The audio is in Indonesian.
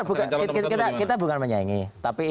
bukan kita bukan menyayangi